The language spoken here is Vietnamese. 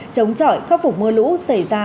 chống chọi khắc phục mưa lũ xảy ra